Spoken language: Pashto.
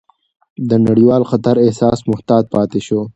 د نړیوال خطر احساس محتاط پاتې شو،